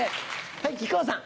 はい木久扇さん。